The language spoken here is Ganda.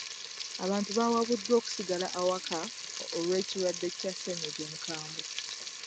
Abantu bawabuddwa okusigala awaka olw'ekirwadde kya ssennyiga omukambwe.